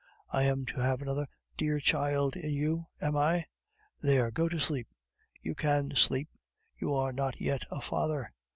I am to have another dear child in you, am I? There, go to sleep; you can sleep; you are not yet a father.